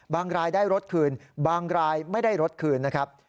รายได้รถคืนบางรายไม่ได้รถคืนนะครับ